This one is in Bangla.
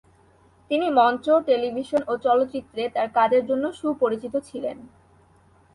তিনি মঞ্চ, টেলিভিশন ও চলচ্চিত্রে তার কাজের জন্য সুপরিচিত ছিলেন।